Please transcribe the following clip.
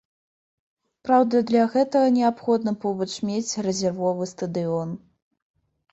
Праўда, для гэтага неабходна побач мець рэзервовы стадыён.